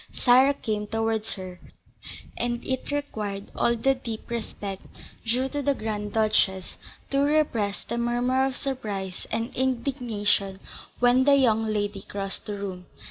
Sarah came towards her, and it required all the deep respect due to the Grand Duchess to repress the murmur of surprise and indignation when the young lady crossed the room.